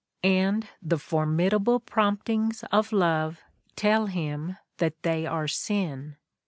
And the formidable promptings of love tell him that they are sin!